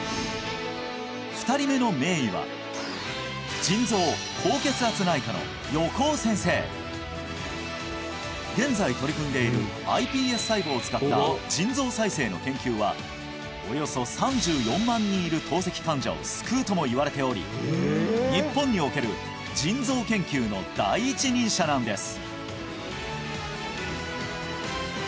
２人目の名医は腎臓高血圧内科の横尾先生現在取り組んでいるｉＰＳ細胞を使った腎臓再生の研究はおよそ３４万人いる透析患者を救うともいわれており日本における腎臓研究の第一人者なんです